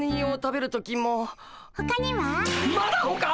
まだほか！？